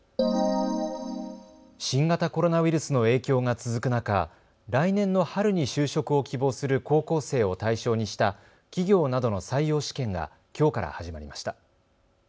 新型コロナウイルスの影響が続く中、来年の春に就職を希望する高校生を対象にした企業などの採用試験がきょうから始まりました。